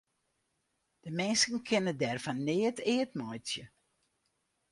De minsken kinne dêr fan neat eat meitsje.